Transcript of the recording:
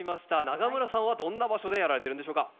永村さんはどんな場所でやられてるんでしょうか？